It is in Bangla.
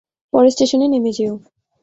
পরের স্টেশনে নেমে যেও।